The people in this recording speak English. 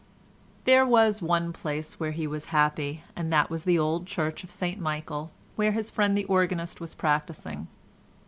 There was one place only where he was happy, and that was in the old church of St Michael, when his friend the organist was practising.